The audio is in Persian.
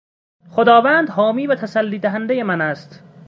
خداوند حامی و تسلی دهندهی من است.